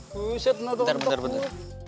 bentar bentar bentar